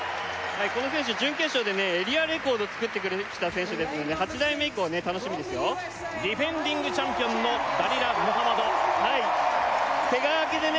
この選手準決勝でエリアレコードつくってきた選手ですので８台目以降楽しみですよディフェンディングチャンピオンのダリラ・ムハマドケガ明けでね